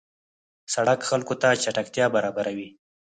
سړک خلکو ته چټکتیا برابروي.